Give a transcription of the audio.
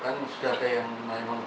menang kemudian juga